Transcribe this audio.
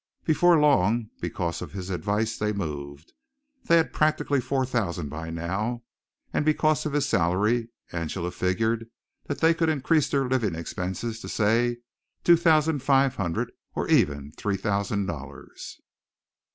Before long, because of his advice they moved. They had practically four thousand by now, and because of his salary Angela figured that they could increase their living expenses to say two thousand five hundred or even three thousand dollars.